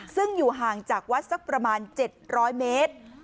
ซึ่งอยู่ห่างจากวัดสักประมาณ๗๐๐เมตร